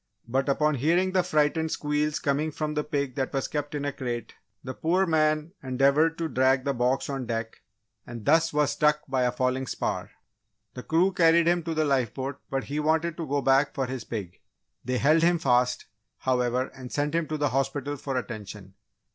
But, upon hearing the frightened squeals coming from the pig that was kept in a crate, the poor man endeavoured to drag the box on deck and thus was struck by a falling spar. The crew carried him to the lifeboat but he wanted to go back for his pig! They held him fast, however, and sent him to the hospital for attention.